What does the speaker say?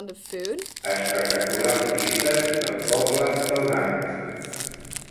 Espectaculars vistes del poble dels Angles.